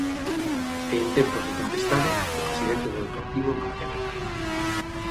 E en tempos de tempestade, o presidente do Deportivo mantén a calma.